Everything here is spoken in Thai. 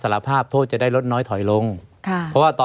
ไม่มีครับไม่มีครับ